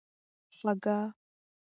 خواږه